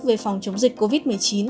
về phòng chống dịch covid một mươi chín